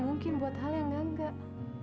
mungkin buat hal yang enggak enggak